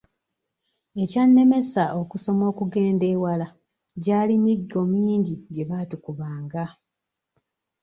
Ekyannemesa okusoma okugenda ewala gyali miggo mingi gye baatukubanga.